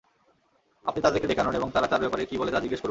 আপনি তাদেরকে ডেকে আনুন এবং তারা তার ব্যাপারে কী বলে তা জিজ্ঞেস করুন।